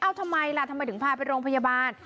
ทำไมล่ะทำไมถึงพาไปโรงพยาบาล